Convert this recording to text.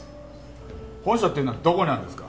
本社っていうのはどこにあるんですか？